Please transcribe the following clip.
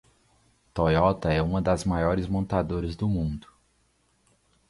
Toyota é uma das maiores montadoras do mundo.